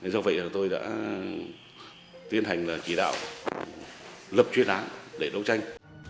do vậy là tôi đã tiến hành là chỉ đạo lập chuyến án để đấu tranh